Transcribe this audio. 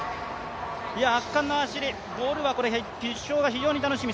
圧巻の走り、ボルは決勝が非常に楽しみ。